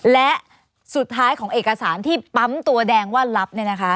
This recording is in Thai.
และสุดท้ายของเอกสารที่ปั๊มตัวแดงว่ารับเนี่ยนะคะ